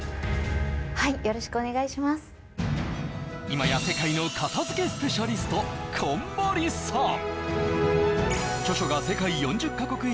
今や世界の片づけスペシャリストこんまりさん